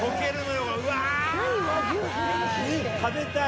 食べたい。